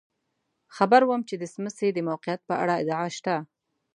خبر وم چې د څمڅې د موقعیت په اړه ادعا شته.